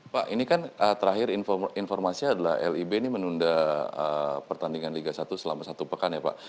pak ini kan terakhir informasi adalah lib ini menunda pertandingan liga satu selama satu pekan ya pak